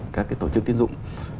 các cái tổ chức tiến dụng